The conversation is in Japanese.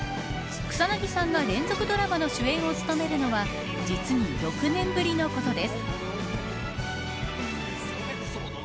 草なぎさんが連続ドラマの主演を務めるのは実に６年ぶりのことです。